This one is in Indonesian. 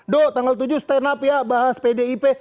dok tanggal tujuh stand up ya bahas pdip